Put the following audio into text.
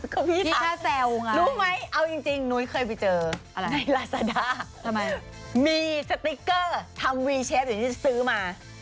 ก็พี่ถามรู้ไหมเอาจริงนุ้ยเคยไปเจอในลาซาด้ามีสติกเกอร์ทำวีเชฟเดี๋ยวนี้จะซื้อมา